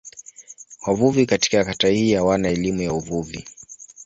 Wavuvi katika kata hii hawana elimu ya uvuvi.